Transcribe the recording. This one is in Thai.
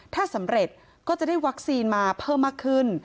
ถ้าสำเร็จก็จะได้วัคซีนมาเพิ่มมากขึ้น